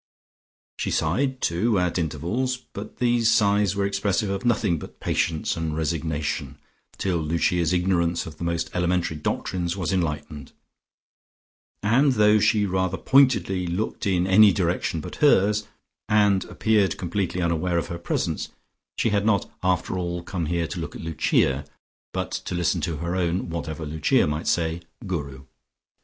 She sighed too, at intervals, but these sighs were expressive of nothing but patience and resignation, till Lucia's ignorance of the most elementary doctrines was enlightened, and though she rather pointedly looked in any direction but hers, and appeared completely unaware of her presence, she had not, after all, come here to look at Lucia, but to listen to her own (whatever Lucia might say) Guru.